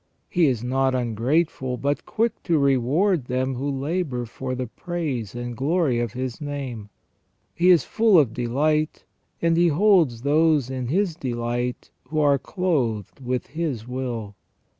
He is not ungrateful, but quick to reward them who labour for the praise and glory of His Name. He is full of delight, and He holds those in His delight who are clothed with His will.